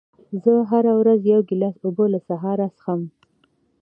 زه هره ورځ یو ګیلاس اوبه له سهاره څښم.